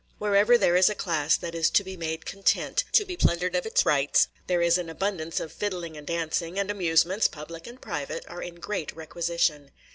Wherever there is a class that is to be made content to be plundered of its rights, there is an abundance of fiddling and dancing, and amusements, public and private, are in great requisition.